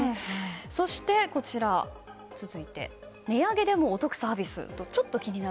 そして、続いて値上げでもお得サービス。